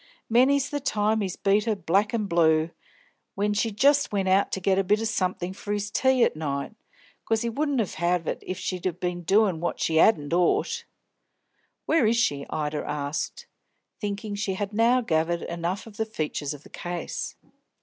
Many's the time he's beat her black an' blue, when she jist went out to get a bit o' somethink for his tea at night, 'cos he would 'ave it she'd been a doin' what she 'adn't ought " "Where is she?" Ida asked, thinking she had now gathered enough of the features of the case.